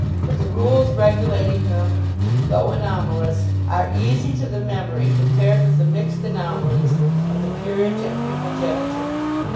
But the rules regulating them, though anomalous, are easy to the memory compared with the mixed anomalies of the peerage and primogeniture.